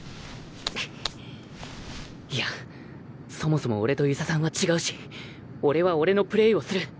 いやそもそも俺と遊佐さんは違うし俺は俺のプレーをする。